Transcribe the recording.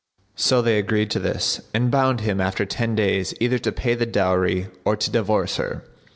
So they agreed to this and bound him after ten days either to pay the dowry or to divorce her.